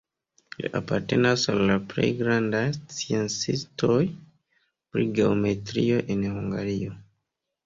Li apartenas al la plej grandaj sciencistoj pri geometrio en Hungario.